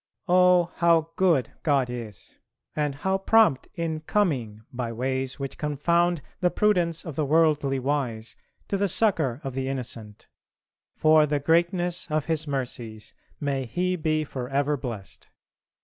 Oh! how good God is! and how prompt in coming by ways which confound the prudence of the worldly wise to the succour of the innocent. For the greatness of His mercies may He be for ever blessed!